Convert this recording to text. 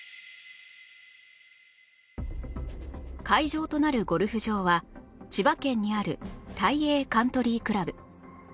会場となるゴルフ場は千葉県にある大栄カントリー倶楽部